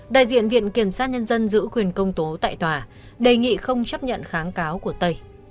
đại diện viện kiểm sát nhân dân giữ quyền công tố tại tòa đề nghị không chấp nhận kháng cáo của tây